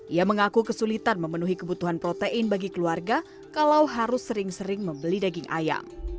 ia mengaku kesulitan memenuhi kebutuhan protein bagi keluarga kalau harus sering sering membeli daging ayam